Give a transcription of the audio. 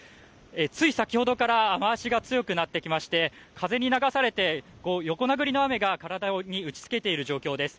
つい先ほどから雨足が強くなってきまして、風に流されて、横殴りの雨が体に打ちつけている状況です。